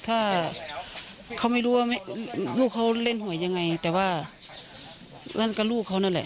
ถ้าเขาไม่รู้ว่าลูกเขาเล่นหวยยังไงแต่ว่านั่นก็ลูกเขานั่นแหละ